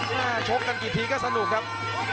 ชกกันกี่ทีก็สนุกครับ